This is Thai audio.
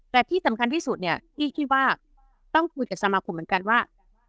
แต่ที่สำคัญที่ที่ว่าต้องคุยกับสมาคมเหมือนกันว่า